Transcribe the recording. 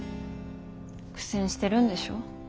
苦戦してるんでしょ。